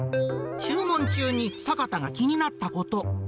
注文中に坂田が気になったこと。